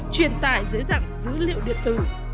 truyền tải dưới dạng dữ liệu điện tử